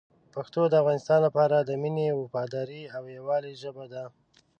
پښتو د افغانانو لپاره د مینې، وفادارۍ او یووالي ژبه ده.